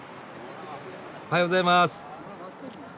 おはようございます。